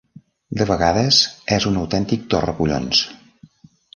De vegades és un autèntic torracollons.